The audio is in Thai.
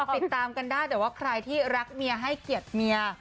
ติดตามกันได้แต่ว่าใครที่รักเมียให้เกียรติเมีย